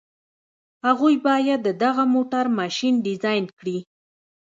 هغوی بايد د دغه موټر ماشين ډيزاين کړي.